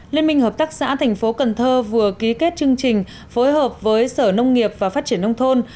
liên minh hợp tác xã thành phố cần thơ vừa ký kết chương trình phối hợp với sở nông nghiệp và phát triển nông thôn